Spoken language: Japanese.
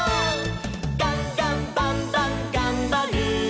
「ガンガンバンバンがんばる！」